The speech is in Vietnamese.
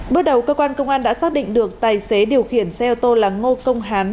bước đầu cơ quan công an đã xác định được tài xế điều khiển xe ô tô là ngô công hán